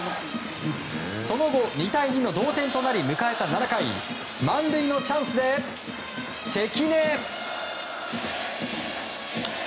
その後２対２の同点となり迎えた７回満塁のチャンスで、関根。